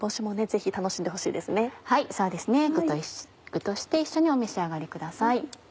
具として一緒にお召し上がりください。